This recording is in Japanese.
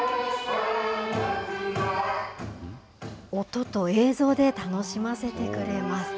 音と映像で楽しませてくれます。